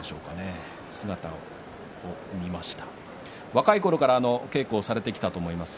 若いころから稽古をされてきたと思います。